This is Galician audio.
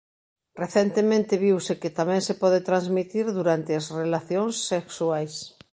Recentemente viuse que tamén se pode transmitir durante as relacións sexuais.